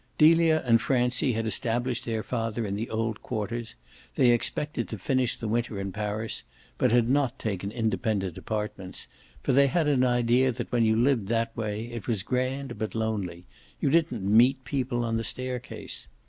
Delia and Francie had established their father in the old quarters; they expected to finish the winter in Paris, but had not taken independent apartments, for they had an idea that when you lived that way it was grand but lonely you didn't meet people on the staircase.